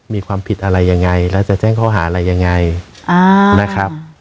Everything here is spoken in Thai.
มีความผิดอะไรยังไงแล้วจะแจ้งข้อหาอะไรยังไงนะครับ